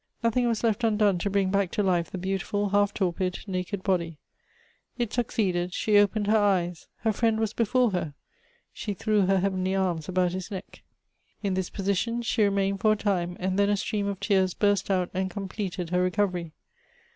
Nothing was left undone to bring back to life the beautiful half torpid, naked body. It succeeded; she opened her eyes! her friend was before her ; she threw her heavenly arms about his neck. In this position she remained for a time ; and then a stream of tears burst out and completed her recov ery.